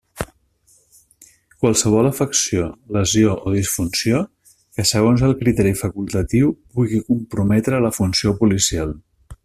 Qualsevol afecció, lesió o disfunció que segons el criteri facultatiu pugui comprometre la funció policial.